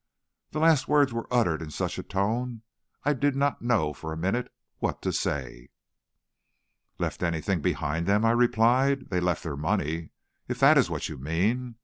The last words were uttered in such a tone I did not know for a minute what to say. "Left anything behind them!" I replied. "They left their money, if that is what you mean.